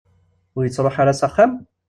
Ur ittruḥu ara s axxam?